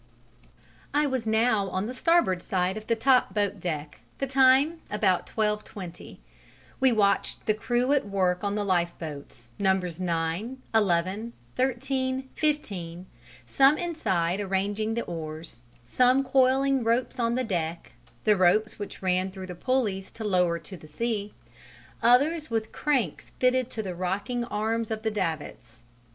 I was now on the starboard side of the top boat deck; the time about 12.20. We watched the crew at work on the lifeboats, numbers 9, 11, 13, 15, some inside arranging the oars, some coiling ropes on the deck, the ropes which ran through the pulleys to lower to the sea, others with cranks fitted to the rocking arms of the davits.